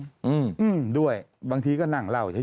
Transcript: แต่ได้ยินจากคนอื่นแต่ได้ยินจากคนอื่น